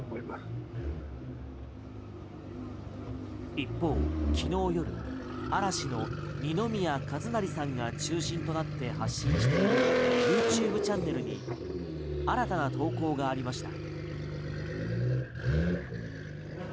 一方、きのう夜嵐の二宮和也さんが中心となって発信しているＹｏｕＴｕｂｅチャンネルに新たな投稿がありました。